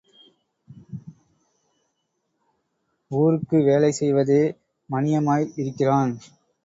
ஊருக்கு வேலை செய்வதே மணியமாய் இருக்கிறான்.